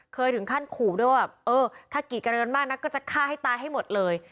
เคยถึงขั้นขู่ด้วยว่าเออถ้ากีดกระเดนมากนักก็จะฆ่าให้ตายให้หมดเลย